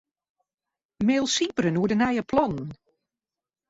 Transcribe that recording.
Mail Sybren oer de nije plannen.